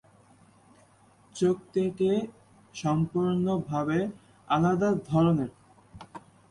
চুক্তিটি সম্পূর্ণভাবে আলাদা ধরনের।